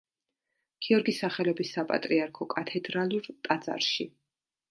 გიორგის სახელობის საპატრიარქო კათედრალურ ტაძარში.